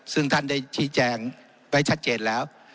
ซึ่งท่านได้ชี้แจงไว้ชัดเจนแล้ว